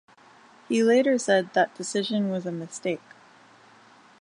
He later said that decision was a mistake.